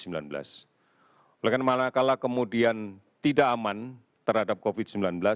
maka malakala kemudian tidak aman terhadap covid sembilan belas